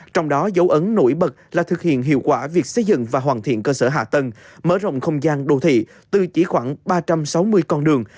trong đó dấu ấn nổi bật là thực hiện hiệu quả việc xây dựng và hoàn thiện cơ sở hạ tầng mở rộng không gian đô thị tư chỉ khoảng ba trăm sáu mươi con đường